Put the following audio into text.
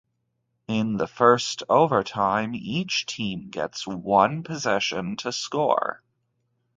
In the first overtime, each team gets one possession to score.